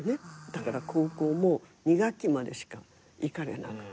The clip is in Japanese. だから高校も２学期までしか行かれなくって。